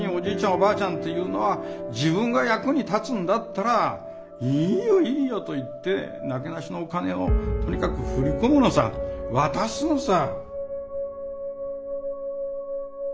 おばあちゃんっていうのは自分が役に立つんだったらいいよいいよと言ってなけなしのお金をとにかく振り込むのさ渡すのさ。